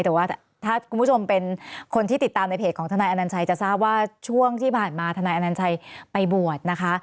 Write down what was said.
แต่ว่าถ้าคุณผู้ชมเป็นคนที่ติดตามในเพจของทนายอนัญชัยจะทราบว่าช่วงที่ผ่านมาทนายอนัญชัยไปบวชนะคะ